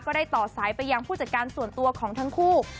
ได้ต่อสายไปยังผู้จัดการส่วนตัวของทั้งคู่